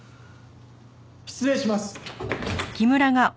失礼します。